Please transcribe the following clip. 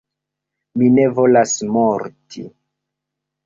Mi ne volas morti!